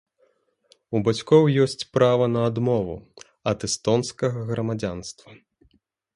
У бацькоў ёсць права на адмову ад эстонскага грамадзянства.